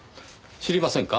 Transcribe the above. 知りませんか？